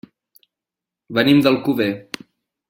Venim d'Alcover.